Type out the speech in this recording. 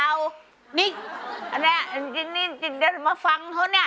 อันนี้จริงมาฟังเขาเนี่ย